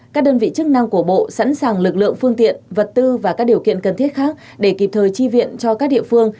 các đơn vị chức năng của bộ sẵn sàng lực lượng phương tiện vật tư và các điều kiện cần thiết khác để kịp thời tri viện cho các địa phương